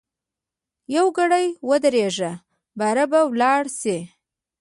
یوګړی ودریږه باره به ولاړ سی.